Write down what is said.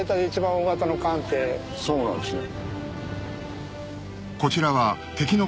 そうなんですね。